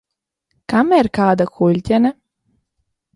Kam ir kāda kuļķene?